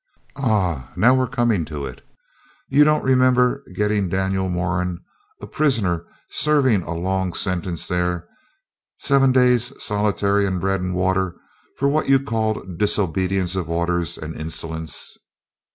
Ah! now we're coming to it. You don't remember getting Daniel Moran a prisoner serving a long sentence there seven days' solitary on bread and water for what you called disobedience of orders and insolence?'